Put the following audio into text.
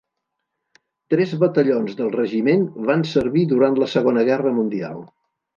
Tres batallons del regiment van servir durant la Segona Guerra Mundial.